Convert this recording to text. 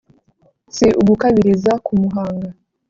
si ugukabiriza k’umuhanga